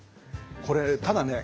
これただね